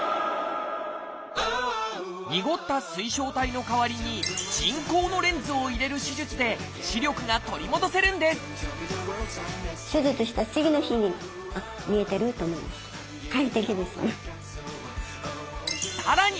にごった水晶体の代わりに人工のレンズを入れる手術で視力が取り戻せるんですさらに